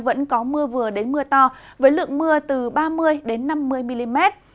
vẫn có mưa vừa đến mưa to với lượng mưa từ ba mươi năm mươi mm